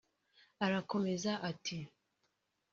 Arakomeza ati